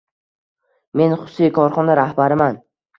Men xususiy korxona rahbariman